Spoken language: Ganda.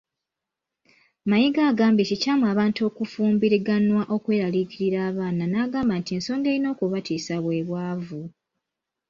Mayiga agambye kikyamu abantu abafumbiriganwa okweraliikirira abaana n'agamba nti ensonga erina okubatiisa bwe bwavu.